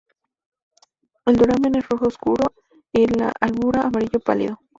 El duramen es rojo oscuro y la albura amarillo pálido.